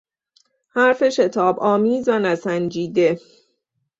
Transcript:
حرف شتابآمیز و نسنجیده